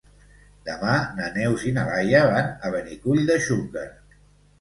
Demà na Neus i na Laia van a Benicull de Xúquer.